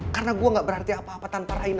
karena gue gak berarti apa apa tanpa reina